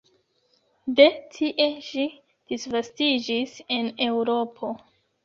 De tie ĝi disvastiĝis en Eŭropo.